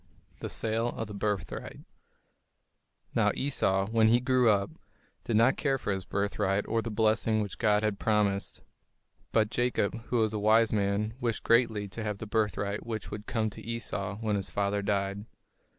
THE SALE OF A BIRTHRIGHT Now Esau, when he grew up, did not care for his birthright or the blessing which God had promised. But Jacob, who was a wise man, wished greatly to have the birthright which would come to Esau when his father died.